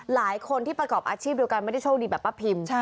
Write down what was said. หลายคนที่ประกอบอาชีพเดียวกันไม่ได้โชคดีแบบป้าพิม